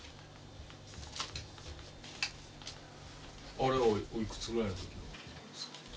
あれはおいくつぐらいの時の？